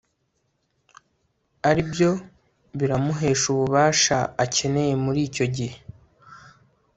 ari byo biramuhesha ubufasha akeneye muri icyo gihe